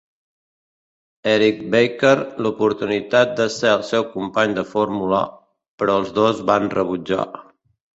Eric Baker l'oportunitat de ser el seu company de fórmula, però els dos van rebutjar.